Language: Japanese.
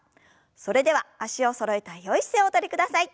それでは脚をそろえたよい姿勢をおとりください。